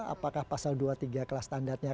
apakah pasal dua puluh tiga kelas standarnya